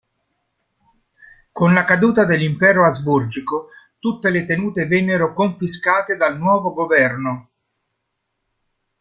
Con la caduta dell'impero asburgico tutte le tenute vennero confiscate dal nuovo governo.